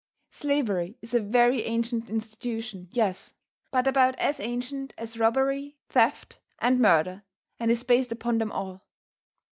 Slavery is a very ancient institution, yes, about as ancient as robbery, theft and murder, and is based upon them all.